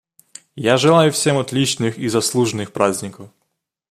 Я желаю всем отличных и заслуженных праздников.